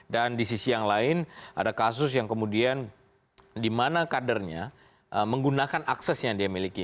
dan di sisi yang lain ada kasus yang kemudian di mana kadernya menggunakan akses yang dia miliki